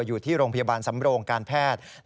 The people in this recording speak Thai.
อยู่ที่โรงพยาบาลสำโรงการแพทย์